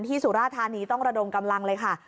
สุราธานีต้องระดมกำลังเลยค่ะ